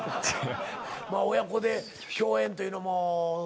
まあ親子で共演というのもね。